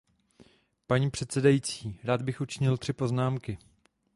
Paní předsedající, rád bych učinil tři poznámky.